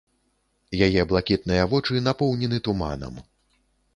Яе блакітныя вочы напоўнены туманам.